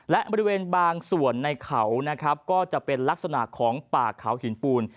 และบริเวณบางส่วนของเขาจะเป็นรักษณะของป่าเขาหินปูน